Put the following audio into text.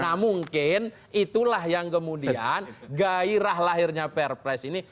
nah mungkin itulah yang kemudian gairah lahirnya perpres ini